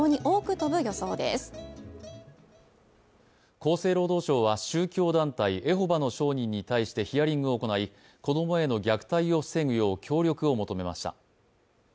厚生労働省は宗教団体エホバの証人に対してヒアリングを行い子供への虐待を防ぐよう協力を求めました。